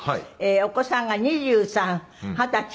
お子さんが２３二十歳１８１５。